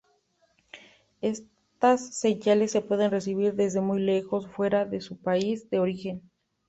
Estas señales se pueden recibir desde muy lejos fuera de su país de origen.